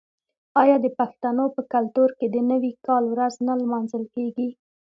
آیا د پښتنو په کلتور کې د نوي کال ورځ نه لمانځل کیږي؟